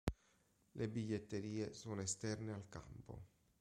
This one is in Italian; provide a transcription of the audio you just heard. Le biglietterie sono esterne al campo.